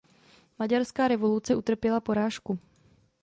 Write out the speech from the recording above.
Maďarská revoluce utrpěla porážku.